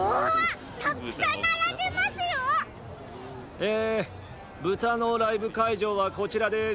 え豚のライブかいじょうはこちらです。